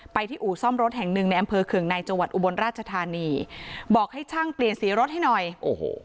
ที่อู่ซ่อมรถแห่งหนึ่งในอำเภอเคืองในจังหวัดอุบลราชธานีบอกให้ช่างเปลี่ยนสีรถให้หน่อยโอ้โห